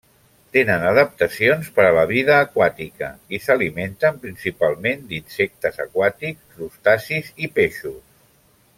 Tenen adaptacions per a la vida aquàtica i s'alimenten principalment d'insectes aquàtics, crustacis i peixos.